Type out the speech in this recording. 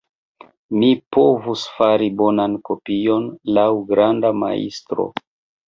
Mi povus fari bonan kopion laŭ granda majstro.